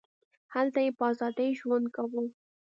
هلته یې په ازادۍ ژوند کاوه.